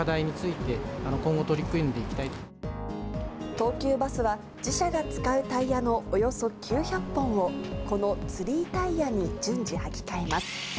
東急バスは自社が使うタイヤのおよそ９００本を、このＴＲＥＥタイヤに順次、履き替えます。